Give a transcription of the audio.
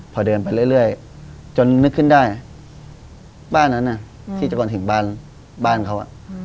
พอเดินไปเรื่อยจนนึกขึ้นได้บ้านนั้นที่จะมาถึงบ้านเขา